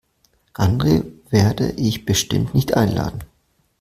Andre werde ich bestimmt nicht einladen.